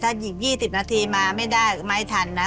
ถ้าอีก๒๐นาทีมาไม่ได้ก็ไม่ทันนะ